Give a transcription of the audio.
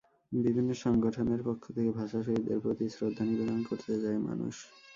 বিভিন্ন সংগঠনের পক্ষ থেকে ভাষাশহীদদের প্রতি শ্রদ্ধা নিবেদন করতে যায় মানুষ।